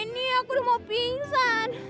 ini aku udah mau pingsan